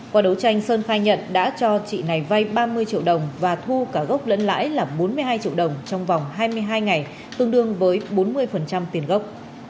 qua đấu tranh sơn khai nhận đã cho chị này vay ba mươi triệu đồng và thu cả gốc lẫn lãi là bốn mươi hai triệu đồng trong vòng hai mươi hai ngày tương đương với bốn mươi tiền gốc